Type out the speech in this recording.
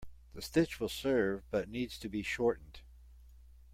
The stitch will serve but needs to be shortened.